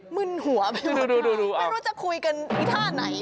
มึ่นหัวไม่รู้จะคุยกันไอ้ท่าไหน